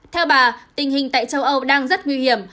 theo bà tình hình tại châu âu đang rất nguy hiểm